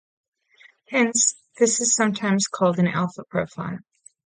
Hence, this is sometimes called an alpha profile.